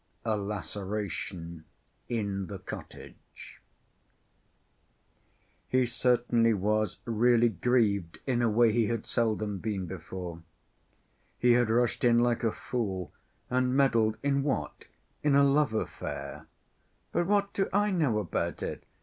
A Laceration In The Cottage He certainly was really grieved in a way he had seldom been before. He had rushed in like a fool, and meddled in what? In a love‐affair. "But what do I know about it?